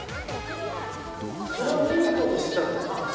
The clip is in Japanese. それを見に行こうとしてたのかな？